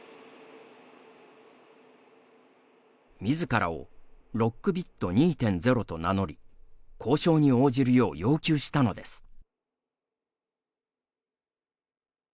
みずからをロックビット２．０と名乗り交渉に応じるよう要求したのです。